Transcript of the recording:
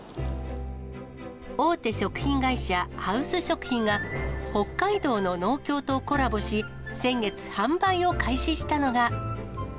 大手食品会社、ハウス食品が、北海道の農協とコラボし、先月、販売を開始したのが。